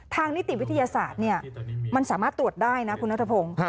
นิติวิทยาศาสตร์มันสามารถตรวจได้นะคุณนัทพงศ์